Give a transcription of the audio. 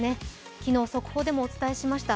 昨日速報でもお伝えしました。